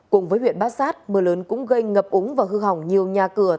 cùng với huyện bát sát mưa lớn cũng gây ngập úng và hư hỏng nhiều nhà cửa